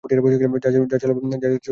যা ছিল বাংলার প্রথম বিদ্রোহ।